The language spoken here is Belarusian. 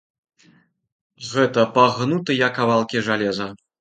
Гэта пагнутыя кавалкі жалеза.